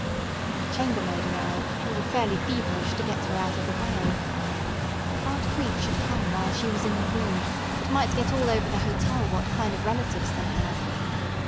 When the chambermaid arrived, they were fairly feverish to get her out of the way. If Aunt Crete should come while she was in the room, it might get all over the hotel what kind of relatives they had.